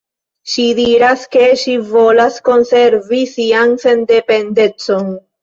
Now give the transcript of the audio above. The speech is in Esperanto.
Ŝi diras, ke ŝi volas konservi sian sendependecon.